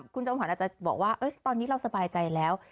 คุณจอมขวัญอาจจะบอกว่าตอนนี้เราสบายใจแล้ว